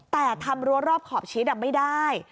แต่ทำรั้วรอบขอบชิดไม่ได้